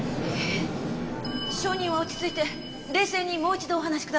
証人は落ち着いて冷静にもう一度お話しください。